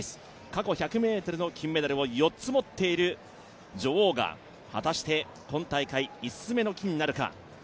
過去１００ｍの金メダルを４つ持っている女王が、果たして今大会、５つ目の金なるか。